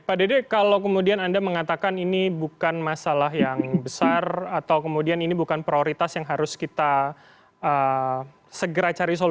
pak dede kalau kemudian anda mengatakan ini bukan masalah yang besar atau kemudian ini bukan prioritas yang harus kita segera cari solusi